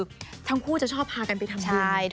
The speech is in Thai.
คือทั้งคู่จะชอบพากันไปทำบุญ